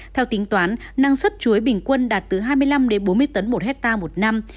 theo tính toán năng suất chuối bình quân đạt từ hai mươi năm bốn mươi tấn một hectare một năm